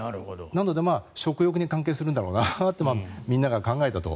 なので食欲に関係するんだろうなとみんなが考えたと。